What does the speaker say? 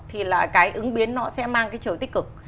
thì là cái ứng biến nó sẽ mang cái trời tích cực